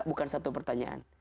bukan satu pertanyaan